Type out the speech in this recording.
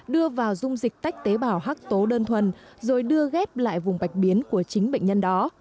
đưa vào dung dịch tách tế bào hắc tố đơn thuần rồi đưa ghép lại vùng bạch biến của chính bệnh nhân đó